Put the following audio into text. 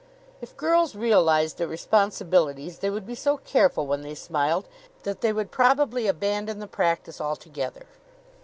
If girls realized their responsibilities they would be so careful when they smiled that they would probably abandon the practice altogether.